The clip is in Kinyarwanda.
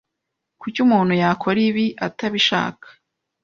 Kuki umuntu yakora ibi atabishaka?